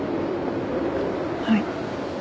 はい。